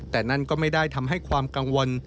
แต่นั่นก็ไม่ได้ทำให้ความกังวล